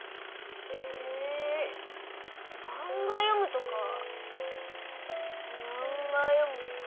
ええマンガ読むとかマンガ読むとか？